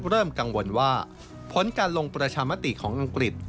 เริ่มกังวลว่าผลการลงประชามติของอังกฤษ